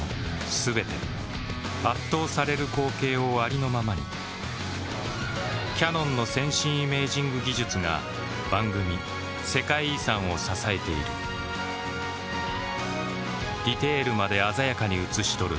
全て圧倒される光景をありのままにキヤノンの先進イメージング技術が番組「世界遺産」を支えているディテールまで鮮やかに映し撮る